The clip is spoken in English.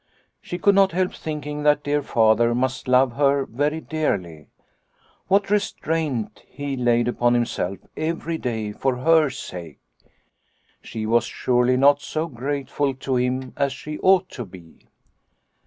She could not help thinking that dear Father must love her very dearly. What restraint he laid upon himself every day for her sake. Snow White 59 She was surely not so grateful to him as she ought to be